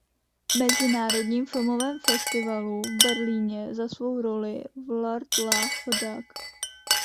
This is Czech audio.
Mezinárodním filmovém festivalu v Berlíně za svou roli v "Lord Love a Duck".